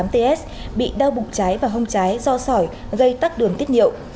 hai mươi bảy nghìn hai trăm một mươi tám ts bị đau bụng trái và hông trái do sỏi gây tắc đường tiết nhiệu